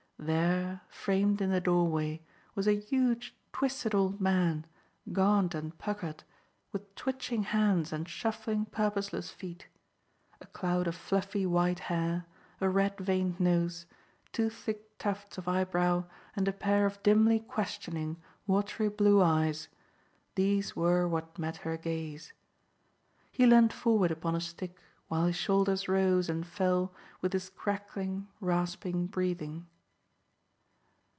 There, framed in the doorway, was a huge twisted old man, gaunt and puckered, with twitching hands and shuffling, purposeless feet. A cloud of fluffy white hair, a red veined nose, two thick tufts of eyebrow and a pair of dimly questioning, watery blue eyes these were what met her gaze. He leaned forward upon a stick, while his shoulders rose and fell with his crackling, rasping breathing.